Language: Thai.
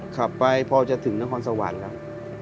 ขับไปพอจะถึงนครสวรรค์ครับ